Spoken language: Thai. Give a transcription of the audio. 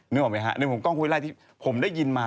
ออกไหมฮะในมุมกล้องคุยไล่ที่ผมได้ยินมา